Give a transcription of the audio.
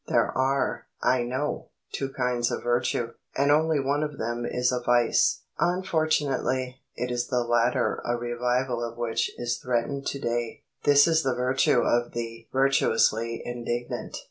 There are, I know, two kinds of virtue, and only one of them is a vice Unfortunately, it is the latter a revival of which is threatened to day. This is the virtue of the virtuously indignant.